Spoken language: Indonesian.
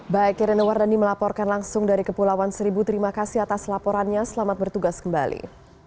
baik irene wardani melaporkan langsung dari kepulauan seribu terima kasih atas laporannya selamat bertugas kembali